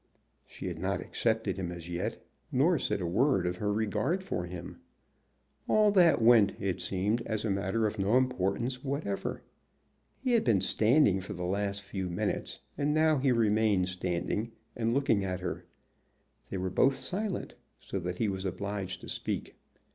She had not accepted him as yet, nor said a word of her regard for him. All that went, it seemed, as a matter of no importance whatever. He had been standing for the last few minutes, and now he remained standing and looking at her. They were both silent, so that he was obliged to speak.